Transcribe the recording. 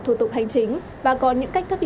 thủ tục hành chính và có những cách thức ý